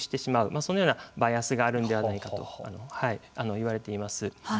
そのようなバイアスがあるんではないかといわれています。